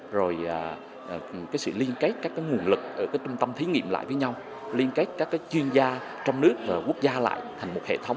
rồi sự liên kết các nguồn lực ở trung tâm thí nghiệm lại với nhau liên kết các chuyên gia trong nước và quốc gia lại thành một hệ thống